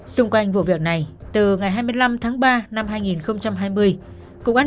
xung quanh vụ việc này từ ngày hai mươi năm tháng ba năm hai nghìn hai mươi